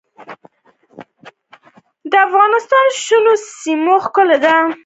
یورانیم د افغانستان د شنو سیمو ښکلا ده.